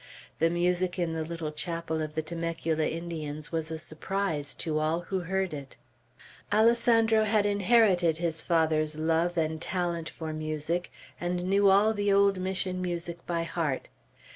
The music in the little chapel of the Temecula Indians was a surprise to all who heard it. Alessandro had inherited his father's love and talent for music, and knew all the old Mission music by heart.